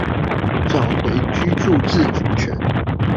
找回居住自主權